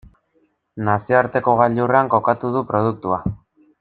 Nazioarteko gailurrean kokatu du produktua.